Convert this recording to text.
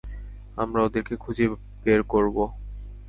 আমরা ওদেরকে খুঁজে বের করবো।